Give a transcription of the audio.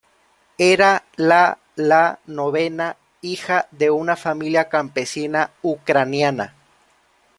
Era la la novena hija de una familia campesina ucraniana.